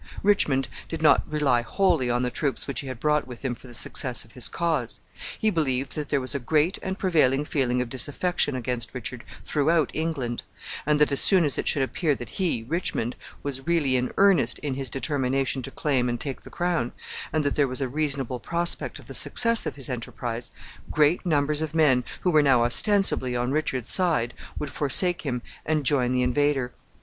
Richmond did not rely wholly on the troops which he had brought with him for the success of his cause. He believed that there was a great and prevailing feeling of disaffection against Richard throughout England, and that, as soon as it should appear that he, Richmond, was really in earnest in his determination to claim and take the crown, and that there was a reasonable prospect of the success of his enterprise, great numbers of men, who were now ostensibly on Richard's side, would forsake him and join the invader.